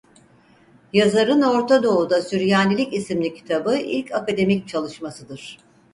Yazarın Ortadoğu'da Süryanilik isimli kitabı ilk akademik çalışmasıdır.